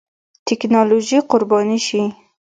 ټېکنالوژي قرباني شي.